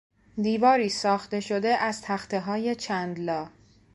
دیواری ساخته شده از تختههای چند لا